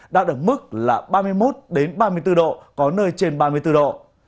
đã được mức là ba mươi một đến ba mươi bốn độ có nơi trên ba mươi bốn độ